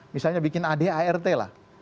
misalnya bikin adart lah